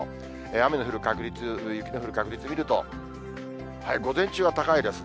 雨の降る確率、雪の降る確率見てみると、午前中は高いですね。